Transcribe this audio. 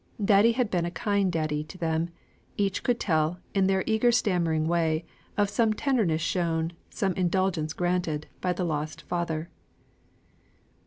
Daddy had been a kind daddy to them; each could tell, in their eager stammering way, of some tenderness shown, some indulgence granted by the lost father.